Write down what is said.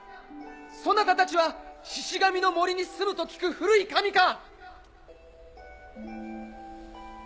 そなたたちはシシ神の森にすむと聞く古い神か？